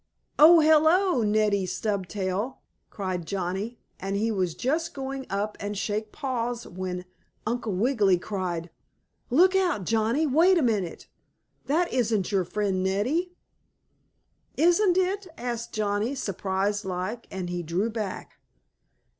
"Oh, hello, Neddie Stubtail!" called Johnnie. And he was just going up and shake paws when Uncle Wiggily cried: "Look out, Johnnie! Wait a minute! That isn't your friend Neddie!" "Isn't it?" asked Johnnie, surprised like, and he drew back.